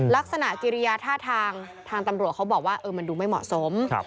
กิริยาท่าทางทางตำรวจเขาบอกว่ามันดูไม่เหมาะสม